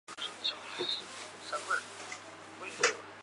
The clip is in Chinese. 该舰得名于流经日本中部地方的长良河。